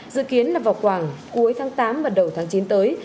dự kiến là vào khoảng cuối tháng tám và đầu tháng chín tới